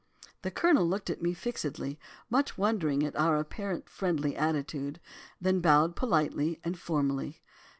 The Colonel looked at me fixedly, much wondering at our apparent friendly attitude, then bowed politely and formally.